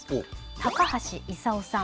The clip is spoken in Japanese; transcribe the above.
高橋功さん。